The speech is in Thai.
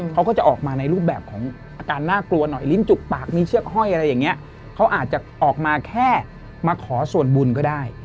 เขาก็จะออกมาในรูปแบบของอาการน่ากลัวหน่อยลิ้นจุกปากมีเชือกห้อยอะไรอย่างนี้เขาอาจจะออกมาแค่มาขอส่วนบุญก็ได้